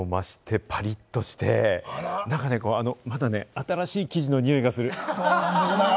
いつにも増してパリっとして、まだ新しい生地のにおいがする。